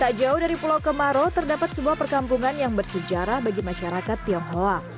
tak jauh dari pulau kemaro terdapat sebuah perkampungan yang bersejarah bagi masyarakat tionghoa